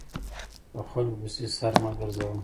په خلکو پسې سر مه ګرځوه !